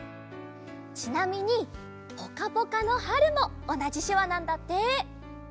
ちなみにぽかぽかのはるもおなじしゅわなんだって。